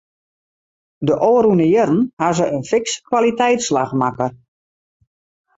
De ôfrûne jierren hawwe se in fikse kwaliteitsslach makke.